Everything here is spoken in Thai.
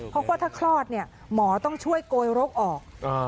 เพราะว่าถ้าคลอดเนี่ยหมอต้องช่วยโกยรกออก